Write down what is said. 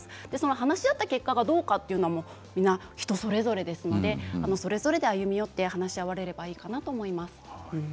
話し合った結果がどうかというのも人それぞれですのでそれぞれ歩み寄って話し合われるといいと思います。